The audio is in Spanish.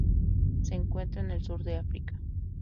Se encuentra en el sur de África